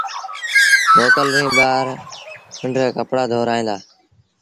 موڪل ري ڏيٚݩهݩ ٻآر پنڊرآ ڪپڙآ ڌورائيٚݩ دآ۔